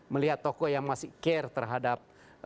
melihat tokoh yang masih care terhadap